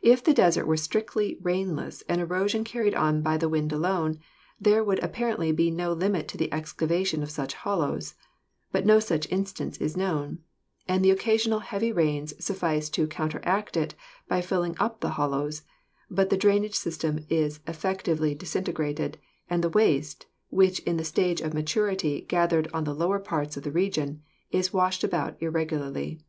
If the desert were strictly rainless and erosion carried on by the wind alone, there would apparently be no limit to the excavation of such hollows, but no such instance is known, and the occasional heavy rains suffice to counteract it by filling up the hollows, but the drainage system is effectively disintegrated, and the waste, which in the stage of matur ity gathered on the lower parts of the region, is washed about irregularly.